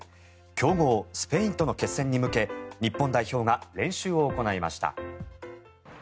強豪スペインとの決戦に向け日本代表が練習を行いました。